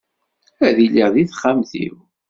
Ad iliɣ deg texxamt-iw.